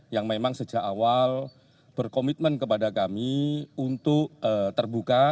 yang memang sejak awal berkomitmen kepada kami untuk membuatnya lebih mudah